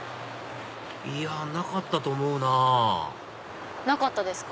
いやなかったと思うなぁなかったですか。